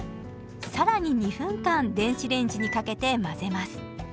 更に２分間電子レンジにかけて混ぜます。